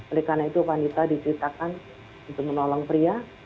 oleh karena itu wanita diciptakan untuk menolong pria